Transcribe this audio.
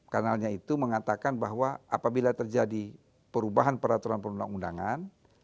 kanalnya itu mengatakan bahwa apabila terjadi perubahan peraturan perundang undangan